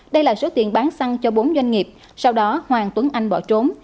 đây là số tiền bán xăng cho bốn doanh nghiệp sau đó hoàng tuấn anh bỏ trốn